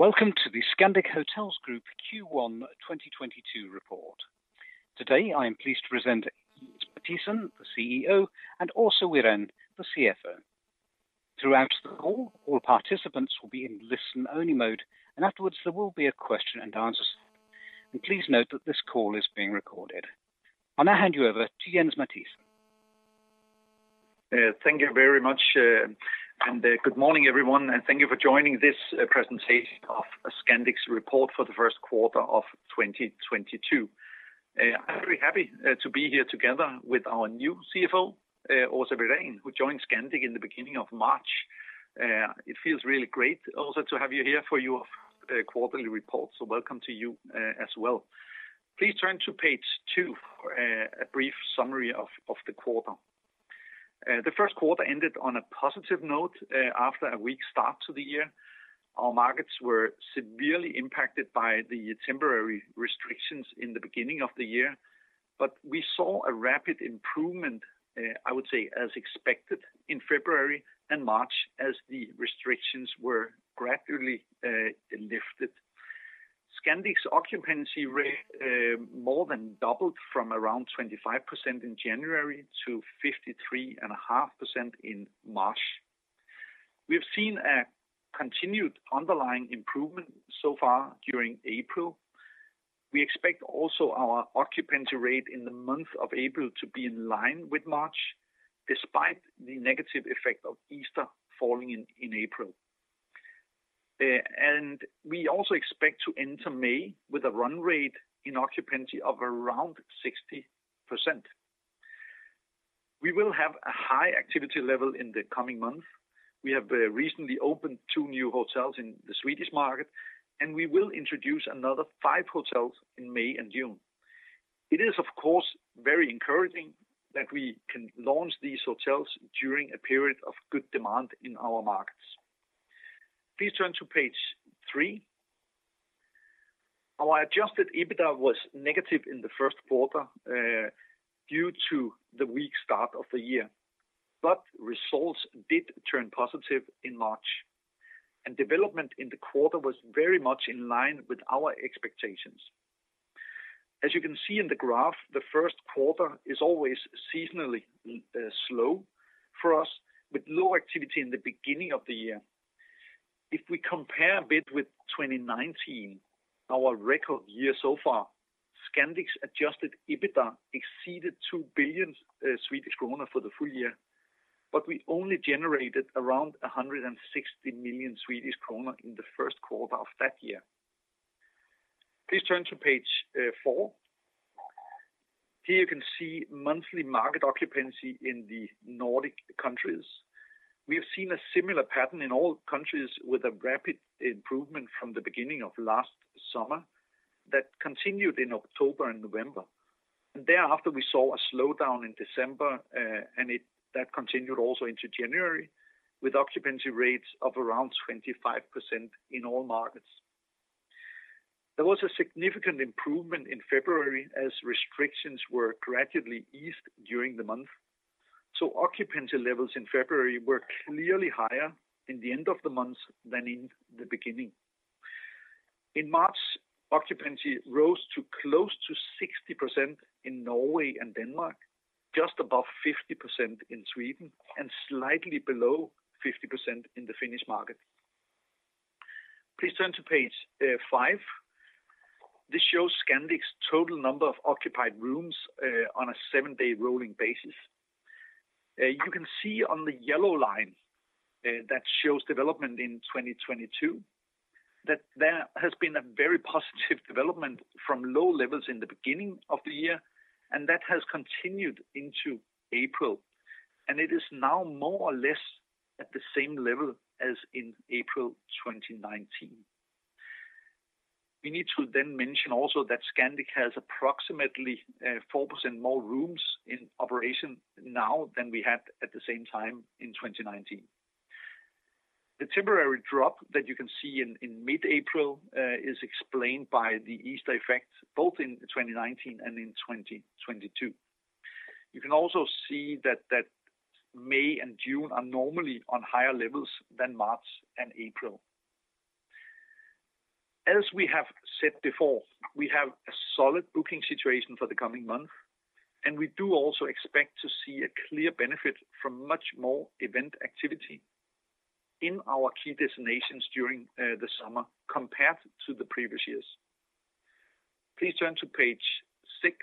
Welcome to the Scandic Hotels Group Q1 2022 report. Today, I am pleased to present Jens Mathiesen, the CEO, and Åsa Wirén, the CFO. Throughout the call, all participants will be in listen-only mode, and afterwards there will be a question and answer session. Please note that this call is being recorded. I'll now hand you over to Jens Mathiesen. Thank you very much, and good morning, everyone, and thank you for joining this presentation of Scandic's report for the first quarter of 2022. I'm very happy to be here together with our new CFO, Åsa Wirén, who joined Scandic in the beginning of March. It feels really great also to have you here for your quarterly report. Welcome to you as well. Please turn to page two for a brief summary of the quarter. The first quarter ended on a positive note after a weak start to the year. Our markets were severely impacted by the temporary restrictions in the beginning of the year. We saw a rapid improvement, I would say as expected in February and March, as the restrictions were gradually lifted. Scandic's occupancy rate möre than doubled from around 25% in January to 53.5% in March. We have seen a continued underlying improvement so far during April. We expect also our occupancy rate in the month of April to be in line with March, despite the negative effect of Easter falling in April. We also expect to enter May with a run rate in occupancy of around 60%. We will have a high activity level in the coming month. We have recently opened two new hotels in the Swedish market, and we will introduce another five hotels in May and June. It is, of course, very encouraging that we can launch these hotels during a period of good demand in our markets. Please turn to page 3. Our adjusted EBITDA was negative in the first quarter, due to the weak start of the year, but results did turn positive in March. Development in the quarter was very much in line with our expectations. As you can see in the graph, the first quarter is always seasonally slow for us, with low activity in the beginning of the year. If we compare a bit with 2019, our record year so far, Scandic's adjusted EBITDA exceeded 2 billion Swedish kronor for the full year, but we only generated around 160 million Swedish kronor in the first quarter of that year. Please turn to page 4. Here you can see monthly market occupancy in the Nordic countries. We have seen a similar pattern in all countries with a rapid improvement from the beginning of last summer that continued in October and November. Thereafter, we saw a slowdown in December, and that continued also into January with occupancy rates of around 25% in all markets. There was a significant improvement in February as restrictions were gradually eased during the month. Occupancy levels in February were clearly higher in the end of the month than in the beginning. In March, occupancy rose to close to 60% in Norway and Denmark, just above 50% in Sweden, and slightly below 50% in the Finnish market. Please turn to page 5. This shows Scandic's total number of occupied rooms on a seven-day rolling basis. You can see on the yellow line that shows development in 2022 that there has been a very positive development from low levels in the beginning of the year, and that has continued into April, and it is now möre or less at the same level as in April 2019. We need to then mention also that Scandic has approximately 4% möre rooms in operation now than we had at the same time in 2019. The temporary drop that you can see in mid-April is explained by the Easter effect, both in 2019 and in 2022. You can also see that May and June are normally on higher levels than March and April. As we have said beföre, we have a solid booking situation for the coming month, and we do also expect to see a clear benefit from much möre event activity in our key destinations during the summer compared to the previous years. Please turn to page 6.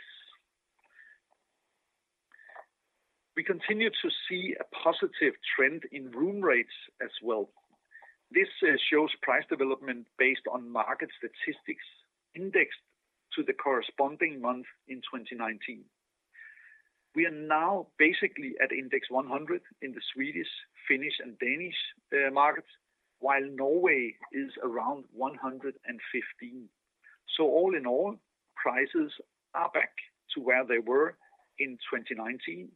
We continue to see a positive trend in room rates as well. This shows price development based on market statistics indexed to the corresponding month in 2019. We are now basically at index 100 in the Swedish, Finnish, and Danish markets, while Norway is around 115. All in all, prices are back to where they were in 2019,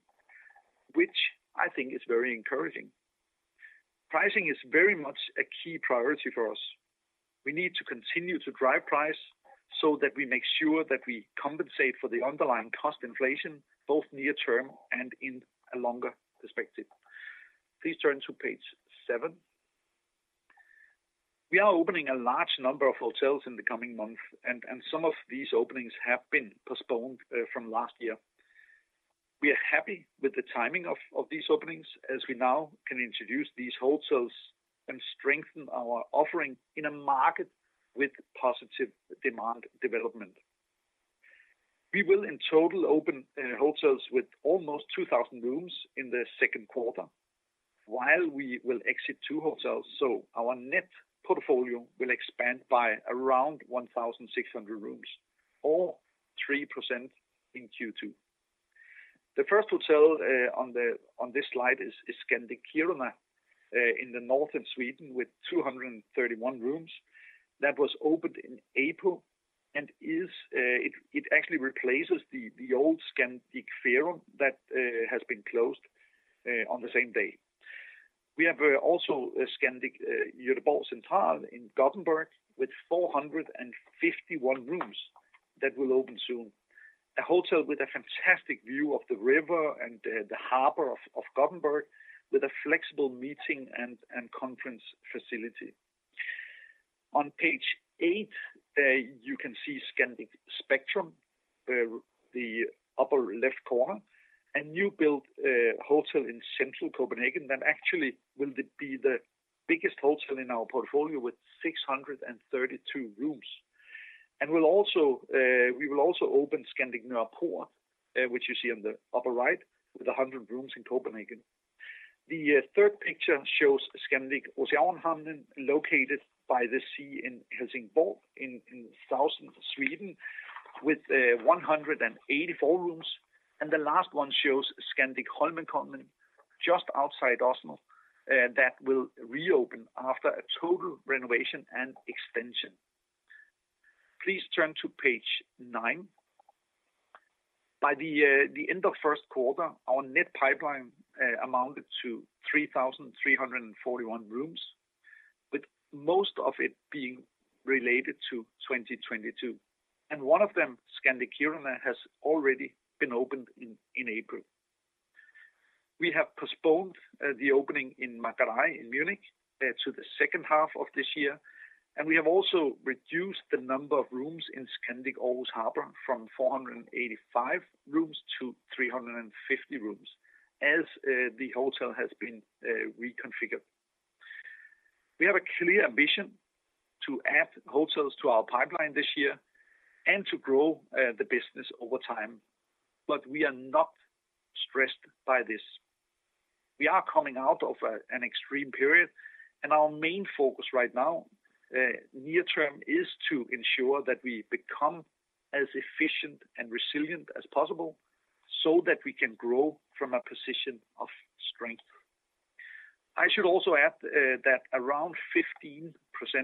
which I think is very encouraging. Pricing is very much a key priority for us. We need to continue to drive price so that we make sure that we compensate for the underlying cost inflation, both near-term and in a longer perspective. Please turn to page 7. We are opening a large number of hotels in the coming months, and some of these openings have been postponed from last year. We are happy with the timing of these openings as we now can introduce these hotels and strengthen our offering in a market with positive demand development. We will in total open hotels with almost 2,000 rooms in the second quarter. While we will exit 2 hotels, so our net portfolio will expand by around 1,600 rooms or 3% in Q2. The first hotel on this slide is Scandic Kiruna in the north of Sweden with 231 rooms that was opened in April and actually replaces the old Scandic Ferrum that has been closed on the same day. We have also a Scandic Göteborg Central in Gothenburg with 451 rooms that will open soon. A hotel with a fantastic view of the river and the harbor of Gothenburg with a flexible meeting and conference facility. On page eight you can see Scandic Spectrum, the upper left corner. A newly built hotel in central Copenhagen that actually will be the biggest hotel in our portfolio with 632 rooms. We'll also open Scandic Nørreport, which you see on the upper right, with 100 rooms in Copenhagen. The third picture shows Scandic Oceanhamnen located by the sea in Helsingborg in southern Sweden with 184 rooms. The last one shows Scandic Holmenkollen just outside Oslo that will reopen after a total renovation and extension. Please turn to page nine. By the end of first quarter, our net pipeline amounted to 3,341 rooms, with most of it being related to 2022. One of them, Scandic Kiruna, has already been opened in April. We have postponed the opening of Macherei in Munich to the second half of this year. We have also reduced the number of rooms in Scandic Aarhus Harbour from 485 rooms to 350 rooms as the hotel has been reconfigured. We have a clear ambition to add hotels to our pipeline this year and to grow the business over time, but we are not stressed by this. We are coming out of an extreme period, and our main focus right now, near term, is to ensure that we become as efficient and resilient as possible so that we can grow from a position of strength. I should also add that around 15%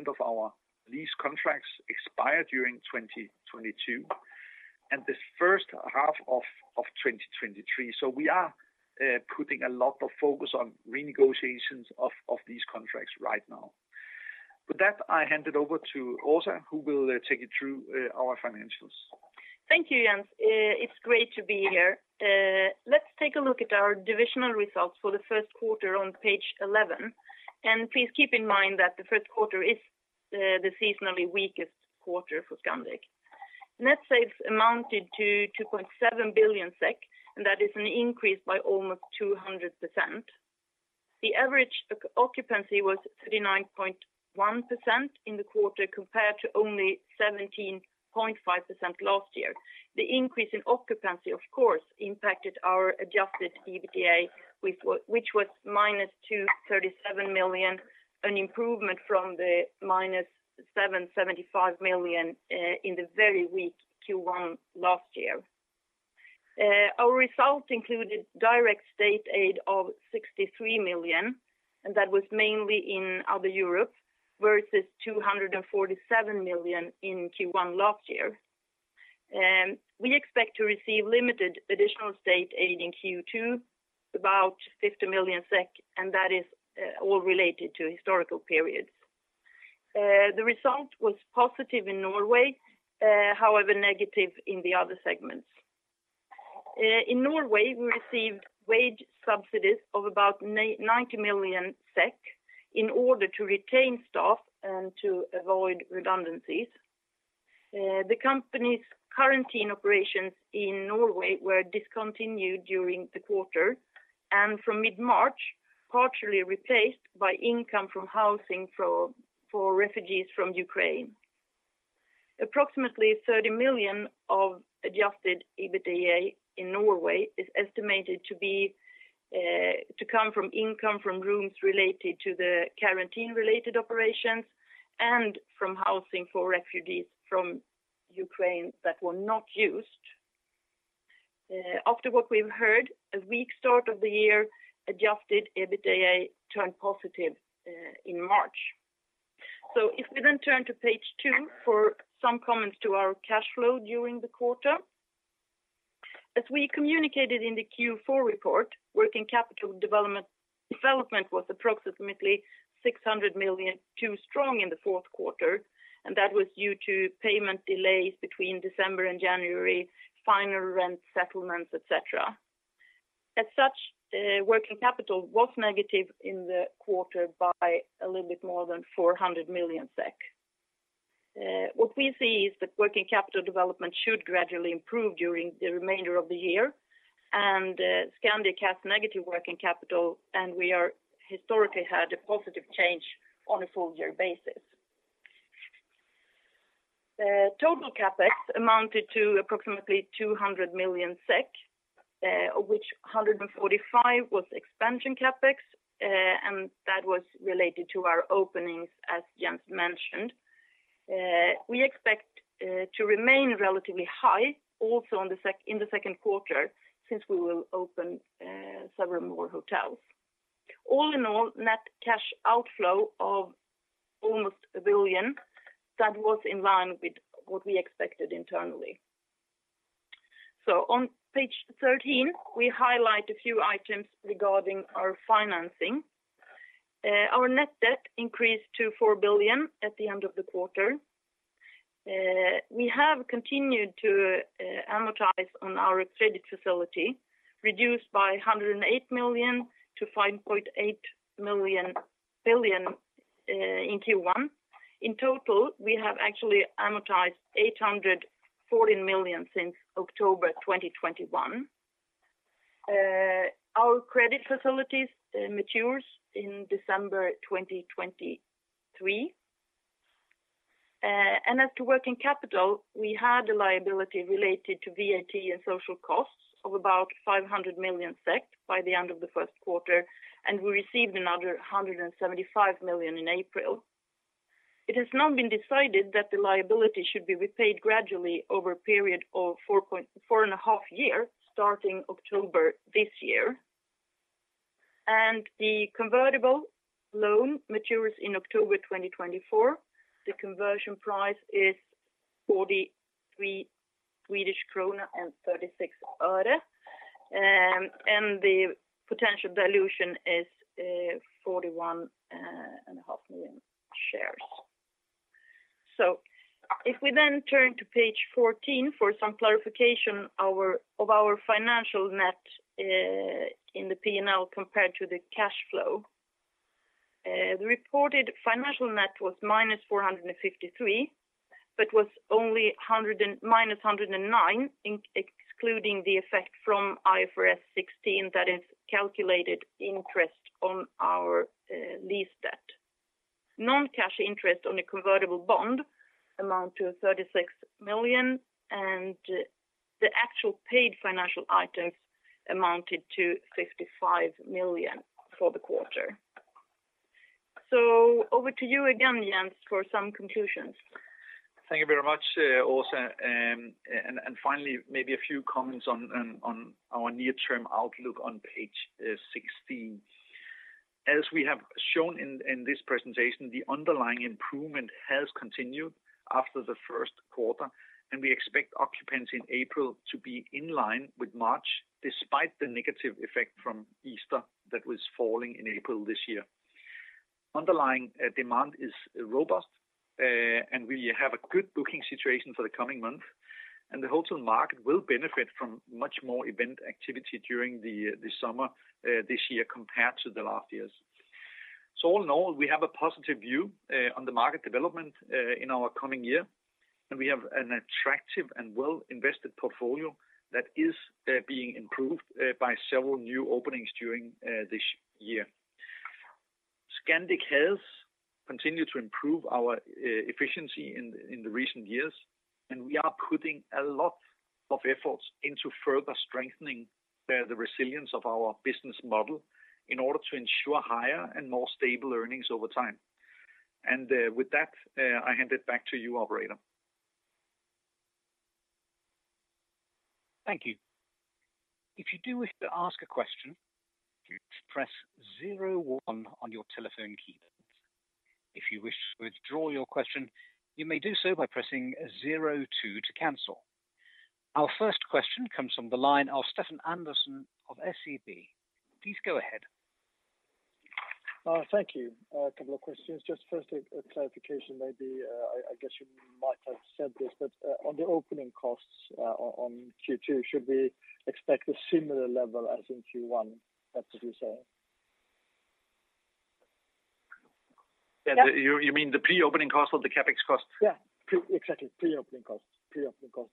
of our lease contracts expire during 2022 and the first half of 2023. We are putting a lot of focus on renegotiations of these contracts right now. With that, I hand it over to Åsa, who will take you through our financials. Thank you, Jens. It's great to be here. Let's take a look at our divisional results for the first quarter on page 11. Please keep in mind that the first quarter is the seasonally weakest quarter for Scandic. Net sales amounted to 2.7 billion SEK, and that is an increase by almost 200%. The average occupancy was 39.1% in the quarter, compared to only 17.5% last year. The increase in occupancy, of course, impacted our adjusted EBITDA which was -237 million, an improvement from the -775 million in the very weak Q1 last year. Our result included direct state aid of 63 million, and that was mainly in Other Europe versus 247 million in Q1 last year. We expect to receive limited additional state aid in Q2, about 50 million SEK, and that is all related to historical periods. The result was positive in Norway, however negative in the other segments. In Norway, we received wage subsidies of about 90 million SEK in order to retain staff and to avoid redundancies. The company's quarantine operations in Norway were discontinued during the quarter, and from mid-March, partially replaced by income from housing for refugees from Ukraine. Approximately 30 million of adjusted EBITDA in Norway is estimated to come from income from rooms related to the quarantine-related operations and from housing for refugees from Ukraine that were not used. After what we've heard, a weak start of the year, adjusted EBITDA turned positive in March. If we then turn to page two for some comments to our cash flow during the quarter. As we communicated in the Q4 report, working capital development was approximately 600 million too strong in the fourth quarter, and that was due to payment delays between December and January, final rent settlements, et cetera. As such, working capital was negative in the quarter by a little bit möre than 400 million SEK. What we see is that working capital development should gradually improve during the remainder of the year and Scandic has negative working capital, and we have historically had a positive change on a full year basis. The total CapEx amounted to approximately 200 million SEK, of which 145 was expansion CapEx, and that was related to our openings, as Jens mentioned. We expect to remain relatively high also in the second quarter since we will open several möre hotels. All in all, net cash outflow of almost 1 billion, that was in line with what we expected internally. On page 13, we highlight a few items regarding our financing. Our net debt increased to 4 billion at the end of the quarter. We have continued to amortize on our credit facility, reduced by 108 million to 5.8 billion in Q1. In total, we have actually amortized 814 million since October 2021. Our credit facilities matures in December 2023. As to working capital, we had a liability related to VAT and social costs of about 500 million SEK by the end of Q1, and we received another 175 million in April. It has now been decided that the liability should be repaid gradually over a period of four and a half years, starting October this year. The convertible loan matures in October 2024. The conversion price is 43 Swedish krona and 36 öre. The potential dilution is 41.5 million shares. If we then turn to page 14 for some clarification of our financial net in the P&L compared to the cash flow. The reported financial net was -453, but was only -109 excluding the effect from IFRS 16, that is calculated interest on our lease debt. Non-cash interest on a convertible bond amount to 36 million, and the actual paid financial items amounted to 55 million for the quarter. Over to you again, Jens, for some conclusions. Thank you very much, Åsa. Finally, maybe a few comments on our near-term outlook on page 16. As we have shown in this presentation, the underlying improvement has continued after the first quarter, and we expect occupancy in April to be in line with March, despite the negative effect from Easter that was falling in April this year. Underlying demand is robust, and we have a good booking situation for the coming month, and the hotel market will benefit from much möre event activity during the summer this year compared to the last years. All in all, we have a positive view on the market development in our coming year, and we have an attractive and well-invested portfolio that is being improved by several new openings during this year. Scandic has continued to improve our efficiency in the recent years, and we are putting a lot of efforts into further strengthening the resilience of our business model in order to ensure higher and möre stable earnings over time. With that, I hand it back to you, operator. Thank you. If you do wish to ask a question, please press zero-one on your telephone keypad. If you wish to withdraw your question, you may do so by pressing zero-two to cancel. Our first question comes from the line of Stefan Andersson of SEB. Please go ahead. Thank you. A couple of questions. Just firstly, a clarification maybe, I guess you might have said this, but, on the opening costs, on Q2, should we expect a similar level as in Q1? That's what you're saying. Yeah. Yeah. You mean the pre-opening cost of the CapEx cost? Yeah. Exactly. Pre-opening costs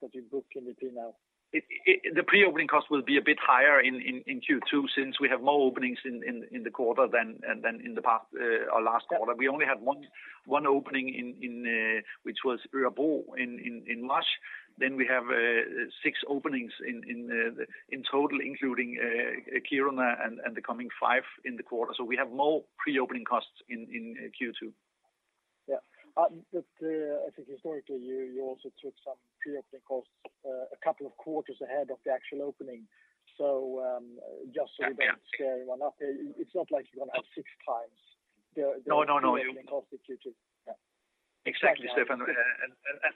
that you book in the P&L. The pre-opening cost will be a bit higher in Q2 since we have möre openings in the quarter than in the past or last quarter. Yeah. We only had 1 opening in Örebro in March. We have 6 openings in total, including Kiruna and the coming 5 in the quarter. We have möre pre-opening costs in Q2. Yeah. I think historically, you also took some pre-opening costs, a couple of quarters ahead of the actual opening. Just so we can clear one up. Yeah. It's not like you're gonna have six times the. No, no. Pre-opening cost in Q2. Yeah. Exactly, n.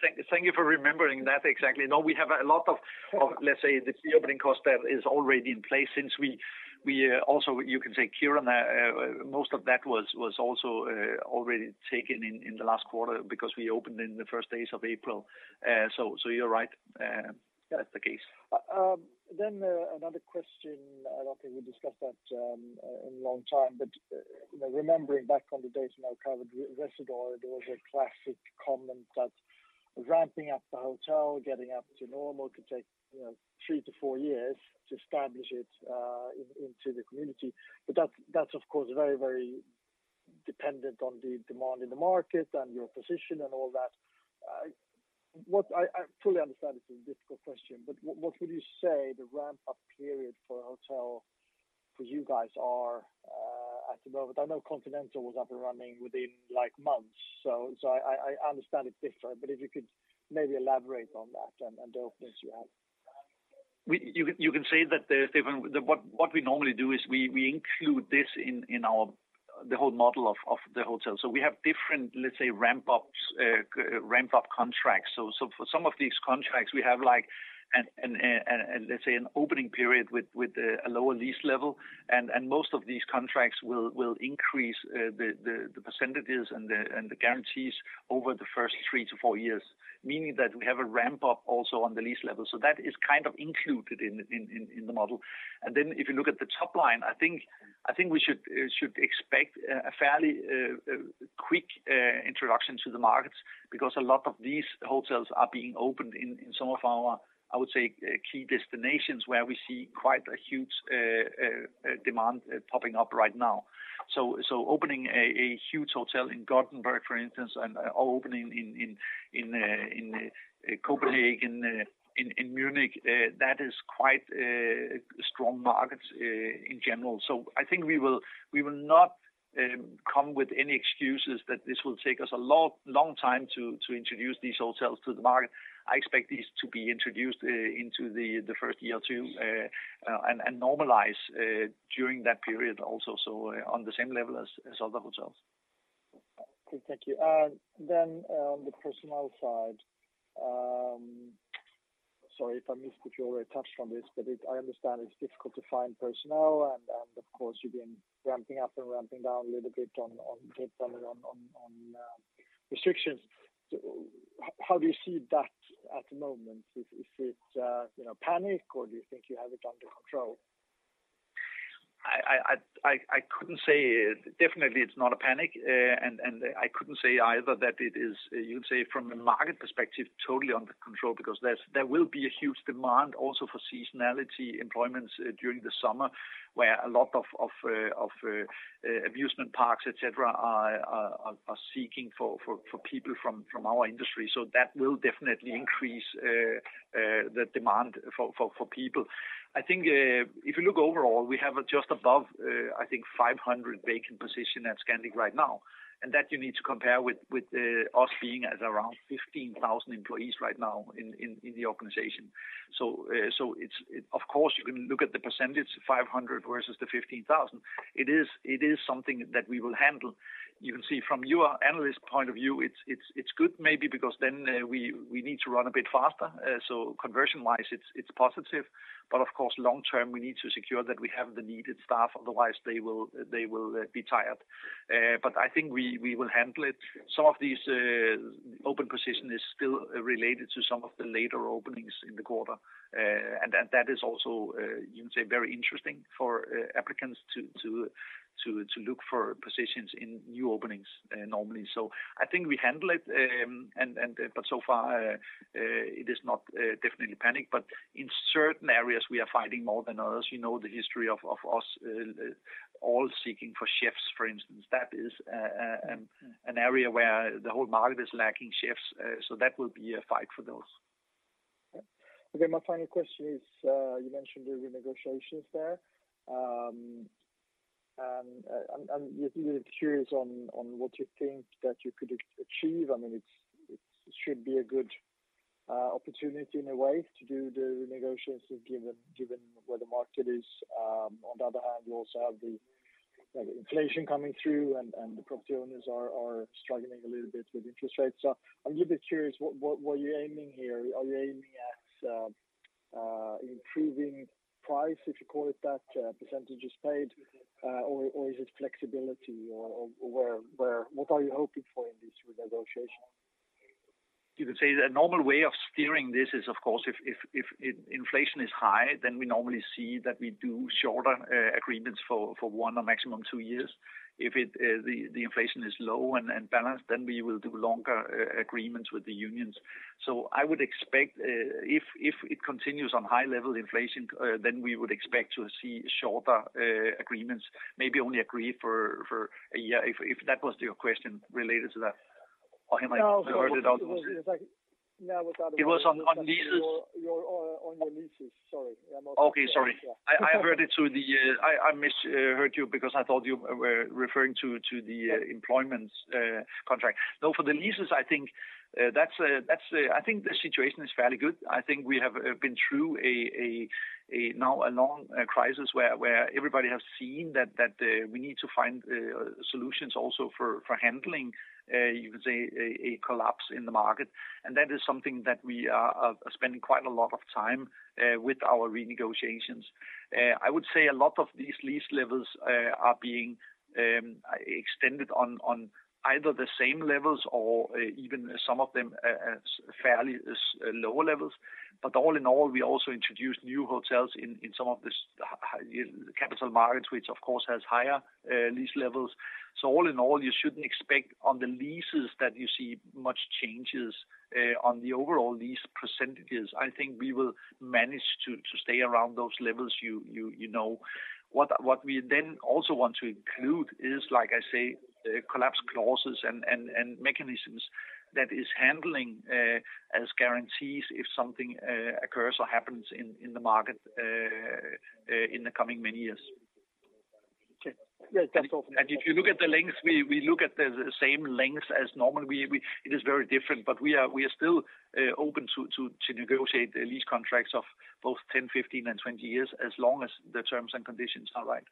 Thanks. Thank you for remembering that. Exactly. No, we have a lot of, let's say, the pre-opening cost that is already in place since we also, you can say, Kiruna, most of that was also already taken in the last quarter because we opened in the first days of April. So you're right. That's the case. Another question, I don't think we discussed that in a long time, but you know, remembering back on the days when I covered Rezidor, there was a classic comment that ramping up the hotel, getting up to normal, could take, you know, 3-4 years to establish it into the community. But that's of course very, very dependent on the demand in the market and your position and all that. What I fully understand it's a difficult question, but what would you say the ramp-up period for a hotel for you guys are at the moment? I know Continental was up and running within, like, months. I understand it's different, but if you could maybe elaborate on that and the openings you have. You can say that. What we normally do is we include this in our the whole model of the hotel. We have different, let's say, ramp-up contracts. For some of these contracts, we have like an, let's say, an opening period with a lower lease level. Most of these contracts will increase the percentages and the guarantees over the first 3-4 years, meaning that we have a ramp-up also on the lease level. That is kind of included in the model. If you look at the top line, I think we should expect a fairly quick introduction to the markets because a lot of these hotels are being opened in some of our key destinations where we see quite a huge demand popping up right now. Opening a huge hotel in Gothenburg, for instance, and opening in Copenhagen, in Munich, that is quite strong markets in general. I think we will not come with any excuses that this will take us a long time to introduce these hotels to the market. I expect these to be introduced into the first year or two and normalize during that period also, so on the same level as other hotels. Okay. Thank you. On the personnel side, sorry if I missed you already touched on this, but I understand it's difficult to find personnel and of course, you've been ramping up and ramping down a little bit on restrictions. How do you see that at the moment? Is it, you know, panic or do you think you have it under control? I couldn't say. Definitely it's not a panic, and I couldn't say either that it is, you'd say from a market perspective, totally under control because there will be a huge demand also for seasonal employment during the summer, where a lot of amusement parks, et cetera, are seeking for people from our industry. That will definitely increase the demand for people. I think if you look overall, we have just above, I think 500 vacant positions at Scandic right now, and that you need to compare with us being at around 15,000 employees right now in the organization. It's of course you can look at the percentage, 500 versus the 15,000. It is something that we will handle. You can see from your analyst point of view, it's good maybe because then we need to run a bit faster. Conversion-wise, it's positive. Of course, long term, we need to secure that we have the needed staff, otherwise they will be tired. I think we will handle it. Some of these open position is still related to some of the later openings in the quarter. That is also you can say very interesting for applicants to look for positions in new openings normally. I think we handle it. So far it is not definitely panic. In certain areas, we are fighting möre than others. You know the history of us all seeking for chefs, for instance. That is an area where the whole market is lacking chefs, so that will be a fight for those. Okay. My final question is, you mentioned the renegotiations there. I'm a little curious on what you think that you could achieve. I mean, it should be a good opportunity in a way to do the renegotiations given where the market is. On the other hand, you also have the like inflation coming through and the property owners are struggling a little bit with interest rates. I'm a bit curious, what you're aiming here. Are you aiming at improving price, if you call it that, percentages paid? Or is it flexibility or where? What are you hoping for in this renegotiation? You can say the normal way of steering this is, of course, if inflation is high, then we normally see that we do shorter agreements for one or maximum two years. If the inflation is low and balanced, then we will do longer agreements with the unions. I would expect, if it continues on high level inflation, then we would expect to see shorter agreements, maybe only agree for a year, if that was your question related to that. Or am I hearing it out- No. No. It was on leases. On your leases. Sorry. Yeah. Okay. Sorry. I misheard you because I thought you were referring to the employment contract. No, for the leases, I think the situation is fairly good. I think we have been through a long crisis where everybody has seen that we need to find solutions also for handling, you could say, a collapse in the market. That is something that we are spending quite a lot of time with our renegotiations. I would say a lot of these lease levels are being extended on either the same levels or even some of them at fairly lower levels. All in all, we also introduced new hotels in some of these capital markets, which of course has higher lease levels. All in all, you shouldn't expect on the leases that you see much changes on the overall lease percentages. I think we will manage to stay around those levels you know. What we then also want to include is, like I say, collapse clauses and mechanisms that is handling as guarantees if something occurs or happens in the market in the coming many years. Okay. Yeah. That's all for now. If you look at the lengths, we look at the same lengths as normal. It is very different, but we are still open to negotiate the lease contracts of both 10, 15, and 20 years as long as the terms and conditions are right.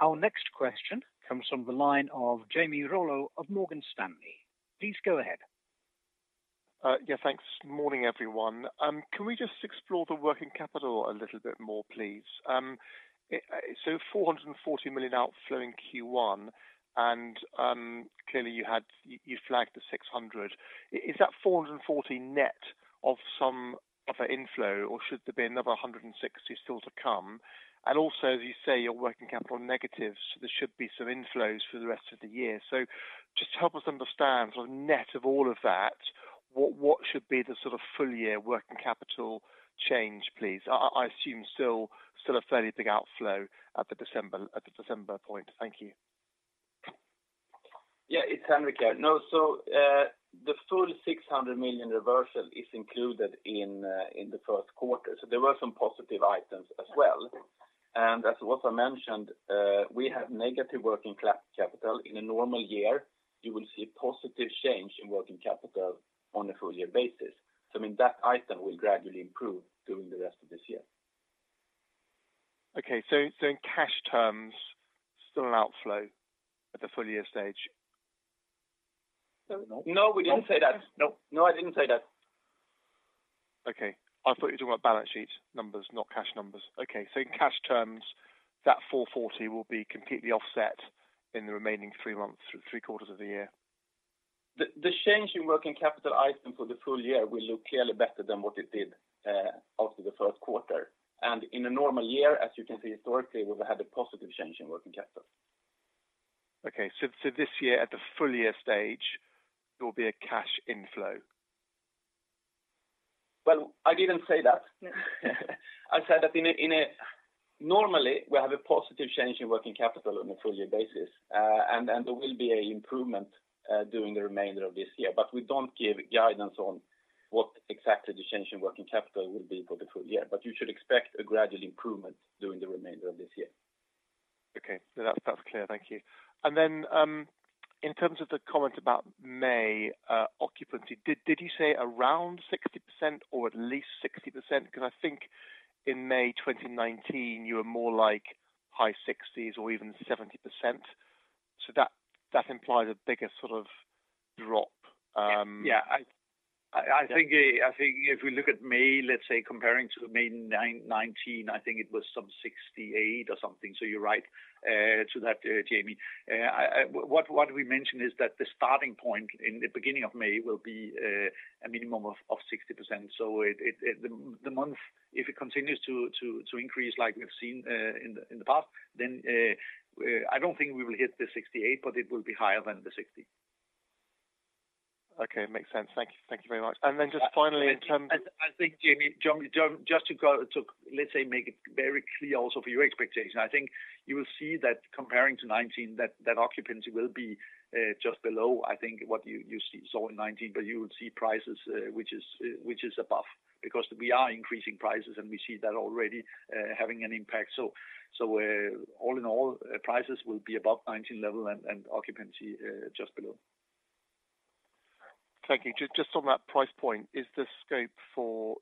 Yeah. Thank you. Thank you. Our next question comes from the line of Jamie Rollo of Morgan Stanley. Please go ahead. Yeah, thanks. Morning, everyone. Can we just explöre the working capital a little bit möre, please? So 440 million outflowing Q1 and clearly you flagged the 600. Is that 440 net of some of the inflow, or should there be another 160 still to come? And also, as you say, your working capital negatives, there should be some inflows for the rest of the year. So just help us understand the net of all of that. What should be the sort of full-year working capital change, please? I assume still a fairly big outflow at the December point. Thank you. It's Henrik here. No. The full 600 million reversal is included in the first quarter. There were some positive items as well. As what I mentioned, we have negative working capital. In a normal year, you will see positive change in working capital on a full year basis. I mean, that item will gradually improve during the rest of this year. Okay. In cash terms, still an outflow at the full year stage? No, we didn't say that. No. No, I didn't say that. Okay. I thought you were talking about balance sheet numbers, not cash numbers. Okay. In cash terms, that 440 will be completely offset in the remaining three months, three quarters of the year. The change in working capital item for the full year will look clearly better than what it did after the first quarter. In a normal year, as you can see historically, we've had a positive change in working capital. This year at the full year stage, there will be a cash inflow. Well, I didn't say that. Normally, we have a positive change in working capital on a full year basis. There will be an improvement during the remainder of this year. We don't give guidance on what exactly the change in working capital will be for the full year. You should expect a gradual improvement during the remainder of this year. Okay, that's clear. Thank you. In terms of the comment about May occupancy, did you say around 60% or at least 60%? Because I think in May 2019, you were möre like high 60s or even 70%. That implies a bigger sort of drop. Yeah. I think if we look at May, let's say comparing to May 2019, I think it was some 68% or something. You're right about that, Jamie. What we mentioned is that the starting point in the beginning of May will be a minimum of 60%. The month, if it continues to increase like we've seen in the past, then I don't think we will hit the 68%, but it will be higher than the 60%. Okay. Makes sense. Thank you. Thank you very much. Just finally in terms- I think, Jamie, just to, let's say, make it very clear also for your expectation. I think you will see that comparing to 2019, that occupancy will be just below, I think, what you saw in 2019. You would see prices which is above because we are increasing prices, and we see that already having an impact. All in all, prices will be above 2019 level and occupancy just below. Thank you. Just on that price point, is the scope for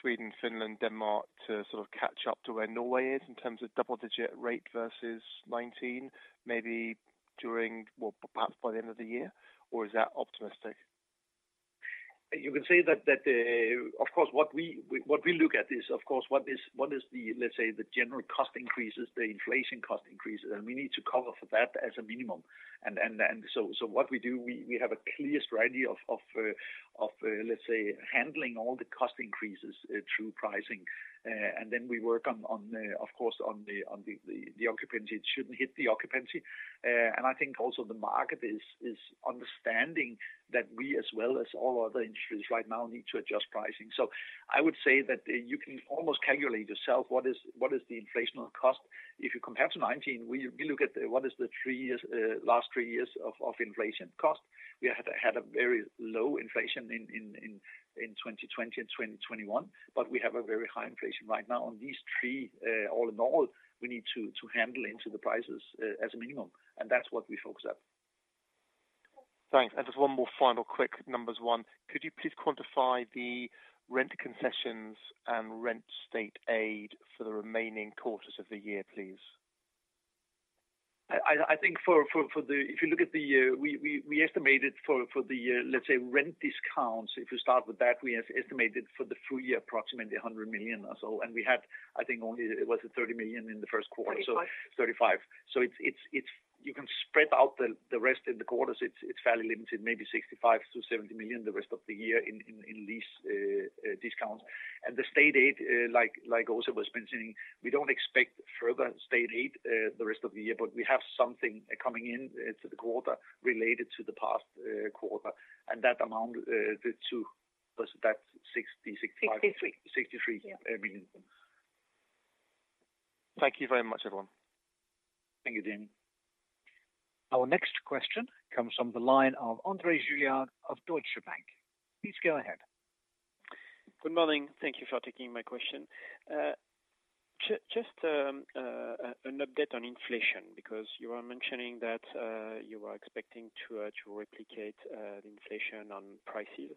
Sweden, Finland, Denmark to sort of catch up to where Norway is in terms of double-digit rate versus 19%, maybe during, well, perhaps by the end of the year? Or is that optimistic? You can say that. Of course, what we look at is, of course, what is the, let's say, the general cost increases, the inflation cost increases, and we need to cover for that as a minimum. So what we do, we have a clear strategy of, let's say, handling all the cost increases through pricing. And then we work on, of course, on the occupancy. It shouldn't hit the occupancy. I think also the market is understanding that we, as well as all other industries right now, need to adjust pricing. I would say that you can almost calculate yourself what is the inflationary cost. If you compare to 2019, we look at what is the last three years of inflation cost. We had a very low inflation in 2020 and 2021, but we have a very high inflation right now on these three all in all. We need to handle into the prices as a minimum, and that's what we focus on. Thanks. Just one möre final quick numbers one. Could you please quantify the rent concessions and rent state aid for the remaining quarters of the year, please? I think if you look at the, we estimated for the, let's say, rent discounts. If you start with that, we have estimated for the full year approximately 100 million or so. We had, I think, only it was 30 million in the first quarter. Thirty-five. 35. It's you can spread out the rest in the quarters. It's fairly limited, maybe 65-70 million the rest of the year in lease discounts. The state aid, like Åsa was mentioning, we don't expect further state aid the rest of the year, but we have something coming in to the quarter related to the past quarter. That amount, the total was that 65- Sixty-three. 63 million. Thank you very much, everyone. Thank you, Jamie Rollo. Our next question comes from the line of André Juillard of Deutsche Bank. Please go ahead. Good morning. Thank you for taking my question. Just an update on inflation, because you are mentioning that you are expecting to replicate the inflation on prices.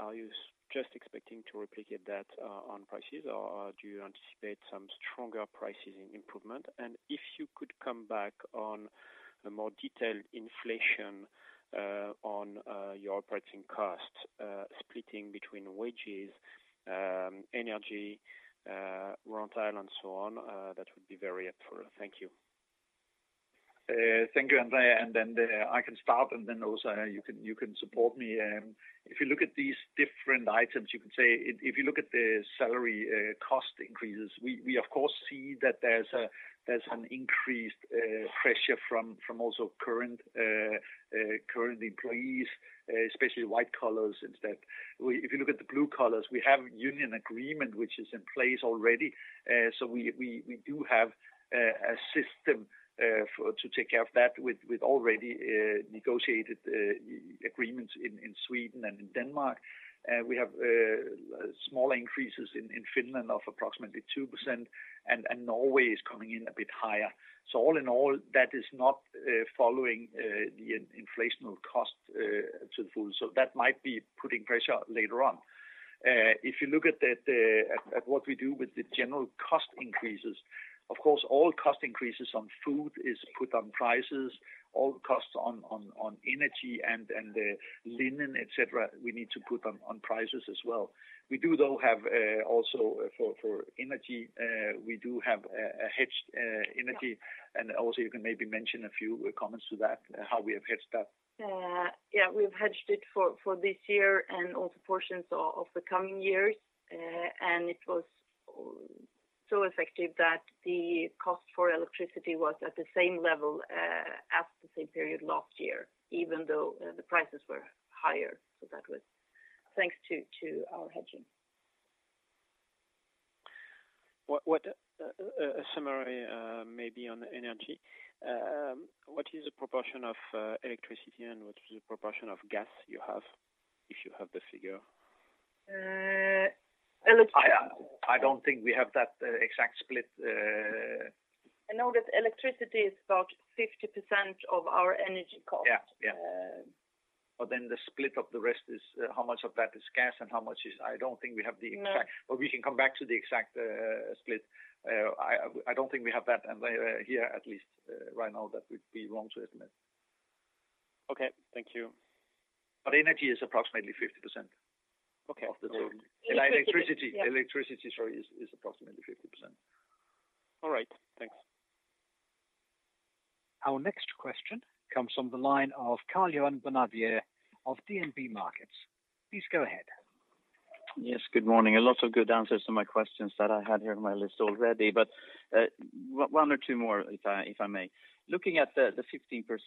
Are you just expecting to replicate that on prices or do you anticipate some stronger price improvement? If you could comment on a möre detailed inflation on your operating costs, splitting between wages, energy, raw materials, and so on, that would be very helpful. Thank you. Thank you, André. I can start, and then also you can support me. If you look at these different items, you can say, if you look at the salary cost increases, we of course see that there's an increased pressure from also current employees, especially white collars is that. If you look at the blue collars, we have union agreement, which is in place already. We do have a system to take care of that with already negotiated agreements in Sweden and in Denmark. We have small increases in Finland of approximately 2%, and Norway is coming in a bit higher. All in all, that is not following the inflation cost to food. That might be putting pressure later on. If you look at what we do with the general cost increases, of course, all cost increases on food is put on prices, all costs on energy and the linen, et cetera, we need to put on prices as well. We do, though, have also for energy, we do have a hedged energy. You can maybe mention a few comments to that, how we have hedged that. Yeah, we've hedged it for this year and also portions of the coming years. It was so effective that the cost for electricity was at the same level as the same period last year, even though the prices were higher. That was thanks to our hedging. What about a summary, maybe on energy? What is the proportion of electricity and what is the proportion of gas you have, if you have the figure? Uh, electri- I don't think we have that exact split. I know that electricity is about 50% of our energy cost. Yeah. Yeah. The split of the rest is, how much of that is gas and how much is. I don't think we have the exact. No. We can come back to the exact split. I don't think we have that here at least right now. That would be wrong to estimate. Okay. Thank you. Energy is approximately 50%. Okay. Of the total. Electricity. Electricity, sorry, is approximately 50%. All right. Thanks. Our next question comes from the line of Karl-Johan Bonnevier of DNB Markets. Please go ahead. Yes, good morning. A lot of good answers to my questions that I had here in my list already, but one or two möre if I may. Looking at the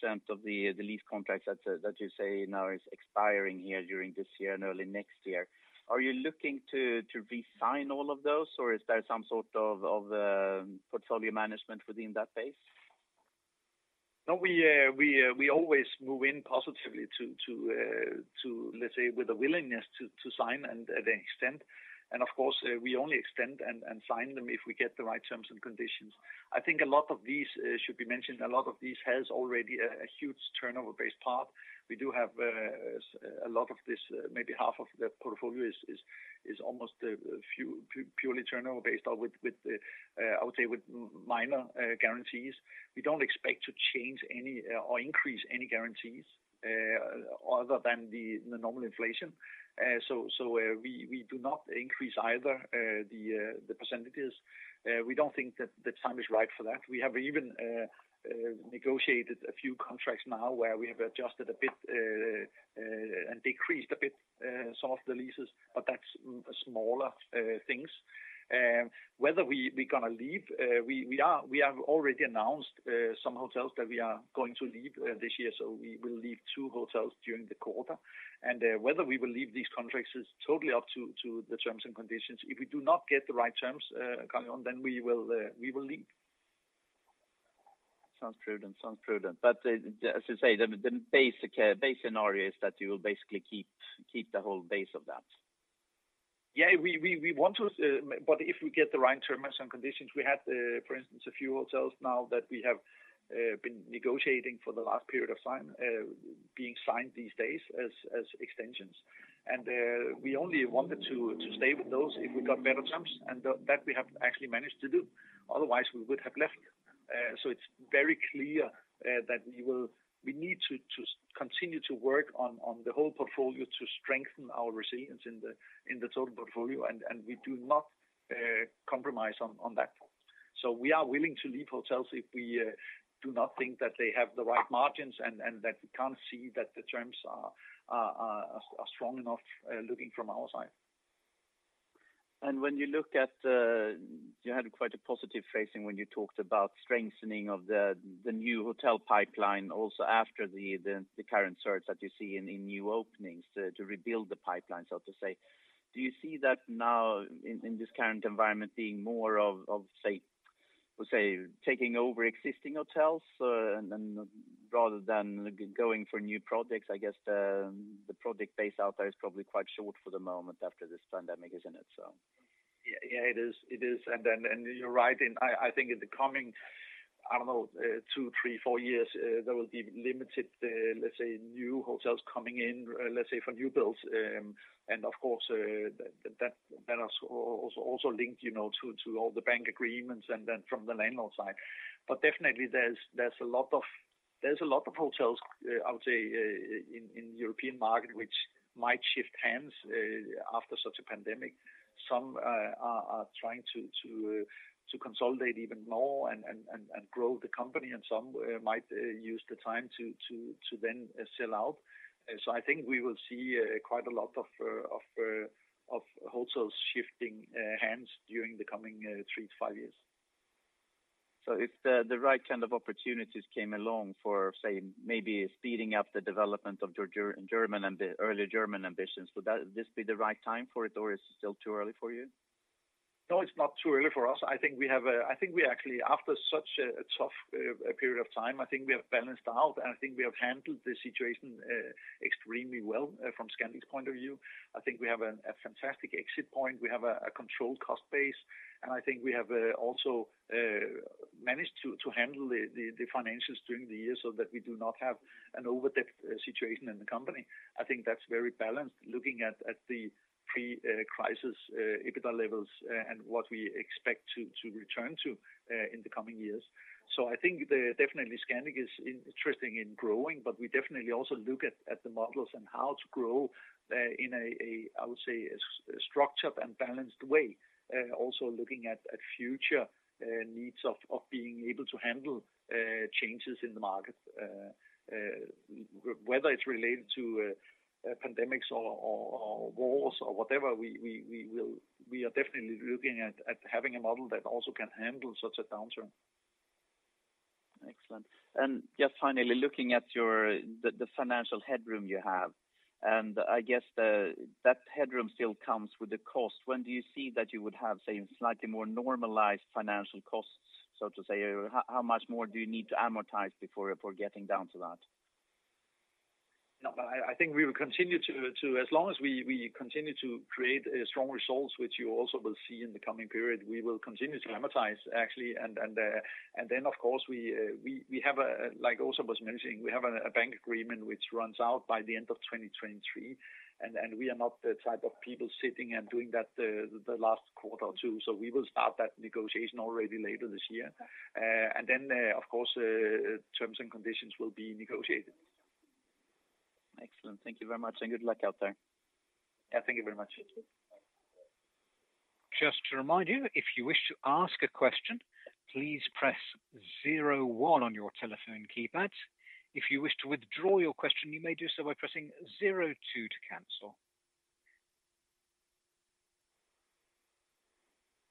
15% of the lease contracts that you say now is expiring here during this year and early next year, are you looking to re-sign all of those, or is there some sort of portfolio management within that base? No, we always move in positively to, let's say, with a willingness to sign and extend. Of course, we only extend and sign them if we get the right terms and conditions. I think a lot of these should be mentioned. A lot of these has already a huge turnover-based part. We do have a lot of this, maybe half of the portfolio is almost purely turnover-based with the, I would say, with minor guarantees. We don't expect to change any or increase any guarantees other than the normal inflation. We do not increase either the percentages. We don't think that the time is right for that. We have even negotiated a few contracts now where we have adjusted a bit and decreased a bit some of the leases, but that's smaller things. We have already announced some hotels that we are going to leave this year, so we will leave two hotels during the quarter. Whether we will leave these contracts is totally up to the terms and conditions. If we do not get the right terms, Karl-Johan, then we will leave. Sounds prudent. As you say, the basic base scenario is that you will basically keep the whole base of that. Yeah, we want to, but if we get the right terms and conditions, we had, for instance, a few hotels now that we have been negotiating for the last period of signing being signed these days as extensions. We only wanted to stay with those if we got better terms, and that we have actually managed to do. Otherwise, we would have left. It's very clear that we need to continue to work on the whole portfolio to strengthen our resilience in the total portfolio, and we do not compromise on that point. We are willing to leave hotels if we do not think that they have the right margins and that we can't see that the terms are strong enough, looking from our side. When you look at the. You had quite a positive facing when you talked about strengthening of the new hotel pipeline also after the current surge that you see in new openings to rebuild the pipeline, so to say. Do you see that now in this current environment being möre of say, we'll say, taking over existing hotels and then rather than going for new projects? I guess the project base out there is probably quite short for the moment after this pandemic is in it. Yeah. Yeah, it is. It is. You're right. I think in the coming, I don't know, 2, 3, 4 years, there will be limited, let's say, new hotels coming in, let's say for new builds. Of course, that is also linked, you know, to all the bank agreements and then from the landlord side. Definitely there's a lot of hotels, I would say, in European market which might shift hands after such a pandemic. Some are trying to consolidate even möre and grow the company, and some might use the time to then sell out. I think we will see quite a lot of hotels shifting hands during the coming 3-5 years. If the right kind of opportunities came along for, say, maybe speeding up the development of your early German ambitions, would this be the right time for it, or is it still too early for you? No, it's not too early for us. I think we actually, after such a tough period of time, I think we have balanced out, and I think we have handled the situation extremely well from Scandic's point of view. I think we have a fantastic exit point. We have a controlled cost base, and I think we have also managed to handle the financials during the year so that we do not have an over-debt situation in the company. I think that's very balanced looking at the pre-crisis EBITDA levels and what we expect to return to in the coming years. I think definitely Scandic is interested in growing, but we definitely also look at the models and how to grow in a, I would say, a structured and balanced way. Also looking at future needs of being able to handle changes in the market. Whether it's related to pandemics or wars or whatever, we are definitely looking at having a model that also can handle such a downturn. Excellent. Just finally, looking at your financial headroom you have, and I guess, that headroom still comes with a cost. When do you see that you would have, say, slightly möre normalized financial costs, so to say? How much möre do you need to amortize beföre getting down to that? No, but I think we will continue to as long as we continue to create strong results, which you also will see in the coming period, we will continue to amortize actually. Then, of course, we have a, like Åsa was mentioning, we have a bank agreement which runs out by the end of 2023. We are not the type of people sitting and doing that the last quarter or two. We will start that negotiation already later this year. Of course, terms and conditions will be negotiated. Excellent. Thank you very much, and good luck out there. Yeah. Thank you very much. Just to remind you, if you wish to ask a question, please press zero one on your telephone keypad. If you wish to withdraw your question, you may do so by pressing zero two to cancel.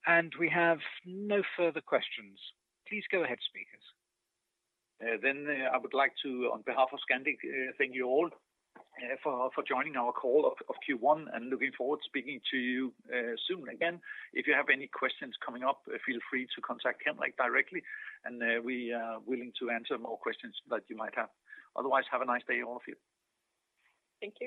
And we have no further questions. Please go ahead, speakers. I would like to, on behalf of Scandic, thank you all for joining our call for Q1, and looking forward to speaking to you soon again. If you have any questions coming up, feel free to contact Henrik like directly, and we are willing to answer möre questions that you might have. Otherwise, have a nice day, all of you. Thank you.